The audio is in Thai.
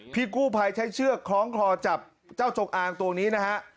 พี่กู้ภัยใช้เชือกคล้องคอจับเจ้าจงอางตัวนี้นะฮะ